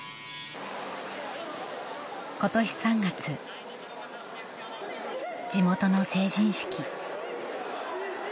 今年３月地元の成人式